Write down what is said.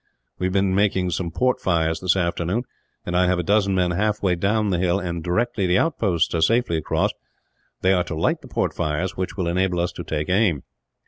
We have been making some port fires this afternoon, and I have a dozen men halfway down the hill and, directly the outposts are safely across, they are to light the port fires, which will enable us to take aim.